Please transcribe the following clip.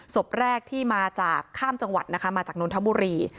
ศพแรกที่มาจากข้ามจังหวัดนะคะมาจากนนทบุรี